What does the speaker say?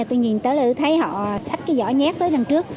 tôi nhìn tới là thấy họ sách cái giỏ nhét tới lần trước